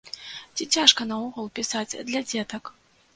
Ці цяжка наогул пісаць для дзетак?